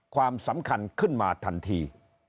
ความสำคัญขึ้นมาทันที